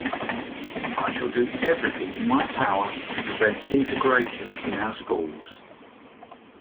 I shall do everything in my power to prevent integration in our schools.